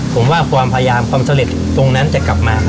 ผมว่าความพยายามความสำเร็จตรงนั้นจะกลับมา